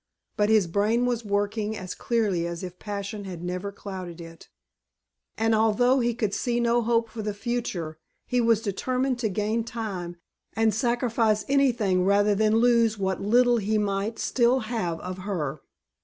But his brain was working as clearly as if passion had never clouded it, and although he could see no hope for the future he was determined to gain time and sacrifice anything rather than lose what little he might still have of her.